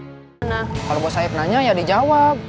ketika saya menanyakan saya menjawab